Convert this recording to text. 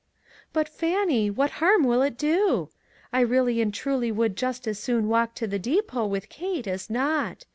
"But Fannie, what harm will it do? I really and truly would just as soon walk to the depot with Kate as not.